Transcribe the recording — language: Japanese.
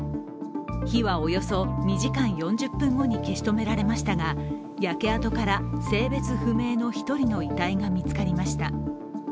火はおよそ２時間４０分後に消し止められましたが、焼け跡から性別不明の１人の遺体が見つかりました。